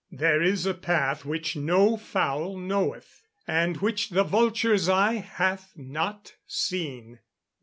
[Verse: "There is a path which no fowl knoweth, and which the vulture's eye hath not seen."